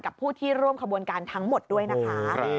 ผู้ที่ร่วมขบวนการทั้งหมดด้วยนะคะ